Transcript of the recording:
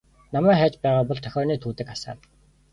Намайг хайж байгаа бол дохионы түүдэг асаана.